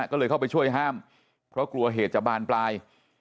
ก็เลยเข้าไปช่วยห้ามเพราะกลัวเหตุจะบานปลาย